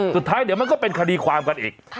สุดท้ายเดี๋ยวมันก็เป็นคดีความกันอีก